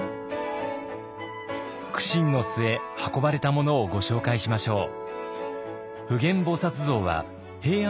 苦心の末運ばれたものをご紹介しましょう。